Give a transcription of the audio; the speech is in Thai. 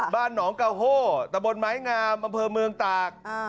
บ้านหนองกาโฮตะบนไม้งามอำเภอเมืองตาก